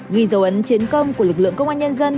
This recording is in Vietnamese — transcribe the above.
ghi dấu ấn chiến công của lực lượng công an nhân dân